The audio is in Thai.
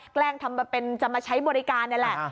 แกล้งทำเป็นจะมาใช้บริการนี่แหละ